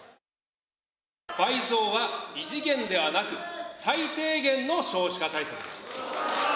倍増は異次元ではなく、最低限の少子化対策です。